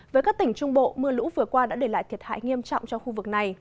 với các tỉnh trung bộ mưa lũ vừa qua đã để lại thiệt hại nghiêm trọng cho khu vực này